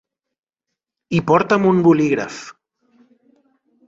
I porta'm un bolígraf.